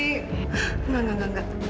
enggak enggak enggak